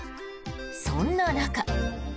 そんな中。